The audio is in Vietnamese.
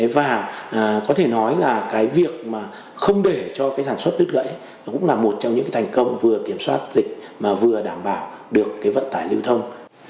và có thể nói là cái việc mà không để cho cái sản xuất đứt gãy nó cũng là một trong những thành công vừa kiểm soát dịch mà vừa đảm bảo được cái vận tải lưu thông